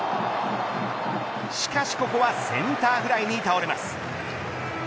しかし、ここはセンターフライに倒れます。